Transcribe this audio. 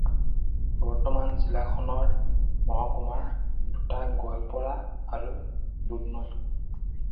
বৰ্তমান জিলাখনৰ মহকুমা দুটা- গোৱালপাৰা আৰু দুধনৈ।